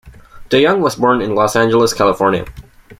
DeYoung was born in Los Angeles, California.